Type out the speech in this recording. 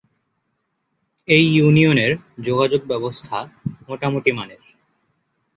এই ইউনিয়নের যোগাযোগ ব্যবস্থা মোটামুটি মানের।